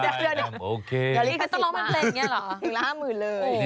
เดี๋ยวได้ต้องร้องแม่งเพลงอยู่เนี่ยหรอ